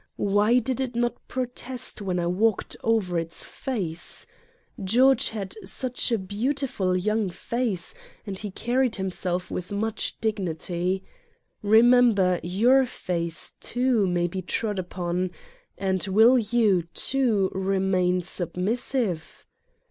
Why did it not protest when I walked over its face ? George had such a beautiful young face and he carried himself with much dignity. Remember your face, too, may be trod upon. And will you, too, remain submissive?